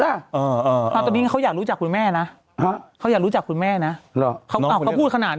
ตอนนี้เขาอยากรู้จักคุณแม่นะเขาอยากรู้จักคุณแม่นะ